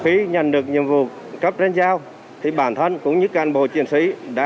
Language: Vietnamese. khi nhận được nhiệm vụ cấp lên giao thì bản thân cũng như can bộ chiến sĩ